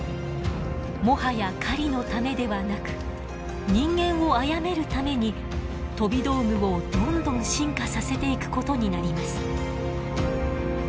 もはや狩りのためではなく人間を殺めるために飛び道具をどんどん進化させていくことになります。